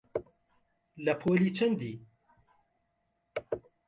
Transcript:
لە پۆلی چەندی؟